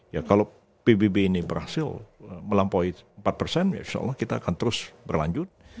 ya kalau pbb ini berhasil melampaui empat persen insya allah kita akan terus berlanjut